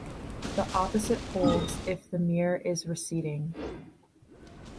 The opposite holds if the mirror is receding.